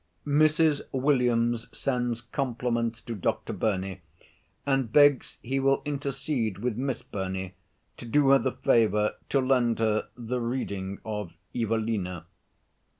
"Mrs. Williams sends compliments to Dr. Burney, and begs he will intercede with Miss Burney to do her the favor to lend her the reading of 'Evelina.'"